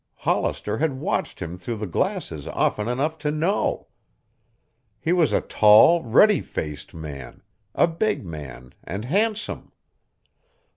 Hollister had watched him through the glasses often enough to know. He was a tall, ruddy faced man, a big man and handsome.